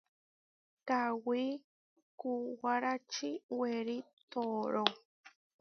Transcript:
Kawí kuwárači werí tooró.